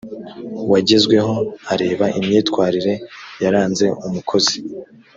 wagezweho areba imyitwarire yaranze umukozi